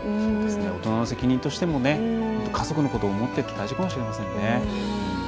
大人の責任としても家族のことを思ってって大事かもしれないですね。